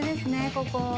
ここ。